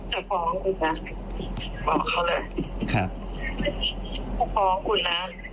จะป่อคุณนะปอละเขาจะป่อคุณหน่า